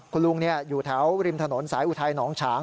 คุณลุงอยู่แถวริมถนนสายอุทัยหนองฉาง